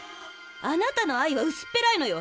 あなたの愛はうすっぺらいのよ！